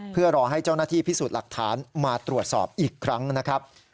เพื่อรอให้เจ้าหน้าที่พิสูจน์หลักฐานมาตรวจสอบอีกครั้งนะครับ